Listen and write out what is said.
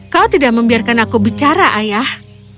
kau tidak membiarkan aku bicara ayah